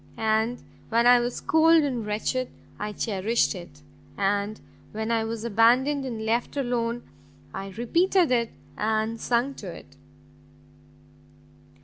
And when I was cold and wretched, I cherished it; and when I was abandoned and left alone, I repeated it and sung to it."